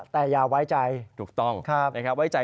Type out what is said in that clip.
แต่อย่าไว้ใจ